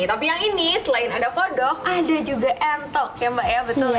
tapi yang ini selain ada kodok ada juga entok ya mbak ya betul ya